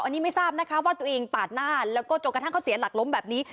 อันนี้ไม่ทราบนะคะว่าตัวเองปาดหน้าแล้วก็จนกระทั่งเขาเสียหลักล้มแบบนี้